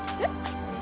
えっ。